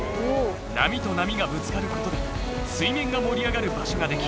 波と波がぶつかることで水面が盛り上がる場所ができ